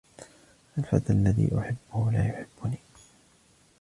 الفتى الذي أحبه لا يحبني.